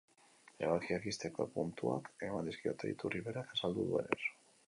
Ebakiak ixteko puntuak eman dizkiote, iturri berak azaldu duenez.